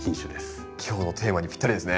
今日のテーマにぴったりですね。